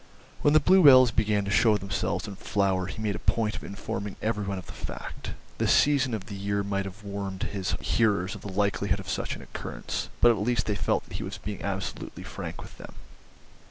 When the bluebells began to show themselves in flower he made a point of informing every one of the fact; the season of the year might have warned his hearers of the likelihood of such an occurrence, but at least they felt that he was being absolutely frank with them.